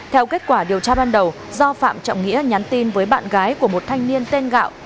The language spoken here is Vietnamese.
theo kết quả điều tra ban đầu do phạm trọng nghĩa nhắn tin với bạn gái của một thanh niên tên gạo